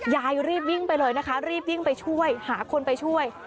ยายรีบวิ่งไปเลยนะคะรีบวิ่งไปช่วยหาคนไปช่วย